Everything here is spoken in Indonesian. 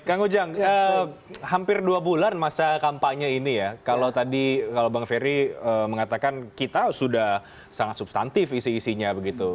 kang ujang hampir dua bulan masa kampanye ini ya kalau tadi kalau bang ferry mengatakan kita sudah sangat substantif isi isinya begitu